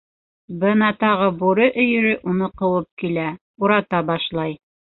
Бына тағы бүре өйөрө уны ҡыуып килә, урата башлай.